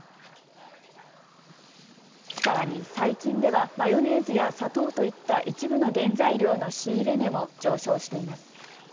さらに最近ではマヨネーズや砂糖といった一部の原材料の仕入れ値も上昇しています。